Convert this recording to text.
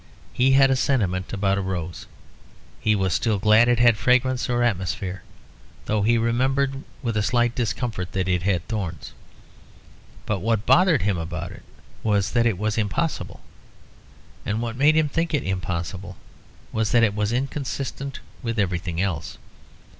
He had a sentiment about a rose: he was still glad it had fragrance or atmosphere; though he remembered with a slight discomfort that it had thorns. But what bothered him about it was that it was impossible. And what made him think it impossible was it was inconsistent with everything else.